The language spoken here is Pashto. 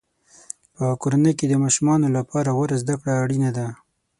په کورنۍ کې د ماشومانو لپاره غوره زده کړه اړینه ده.